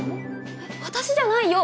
えっ私じゃないよ！